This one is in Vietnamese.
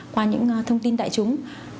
qua những thông tin đại chúng